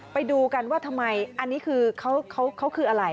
ไปดูกันว่าทำไมอันนี้คือเขาคืออะไร